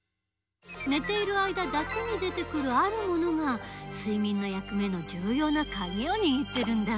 寝ている間だけに出てくるあるものが睡眠の役目のじゅうようなカギをにぎってるんだ。